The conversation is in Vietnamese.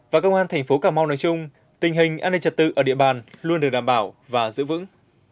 và công an tp cm nói chung tình hình an ninh trật tự ở địa bàn luôn được đảm bảo và giữ vững